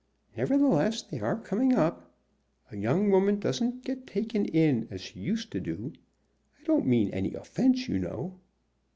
"Nevertheless they are coming up. A young woman doesn't get taken in as she used to do. I don't mean any offence, you know."